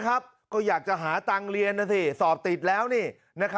ก็อยากจะหาตังค์เรียนนะสิสอบติดแล้วนี่